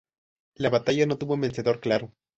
La batalla no tuvo un vencedor claro.